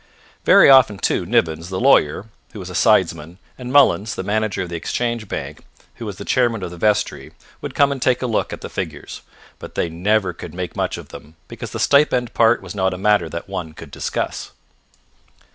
Very often, too, Nivens, the lawyer, who was a sidesman, and Mullins, the manager of the Exchange Bank, who was the chairman of the vestry, would come and take a look, at the figures. But they never could make much of them, because the stipend part was not a matter that one could discuss.